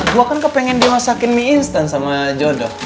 gue kan kepengen dimasakin mie instan sama jodoh